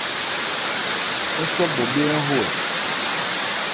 Ńsɛ bhɔbhé ń ho ɛ ?